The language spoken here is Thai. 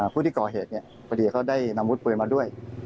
ผู้ที่ก่อเหตุพอดีเขาได้นำวุธปืนมาด้วย